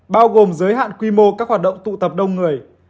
bao gồm giới hạn quy mô các hoạt động tụ tập đông người